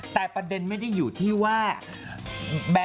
ตัวที่เน่ไปดูภาพ